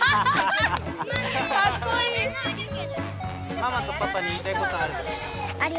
ママとパパに言いたいことある？